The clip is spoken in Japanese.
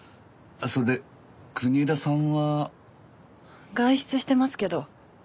それで国枝さんは？外出してますけど。